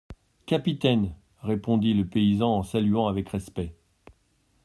Capitaine ! répondit le paysan en saluant avec respect.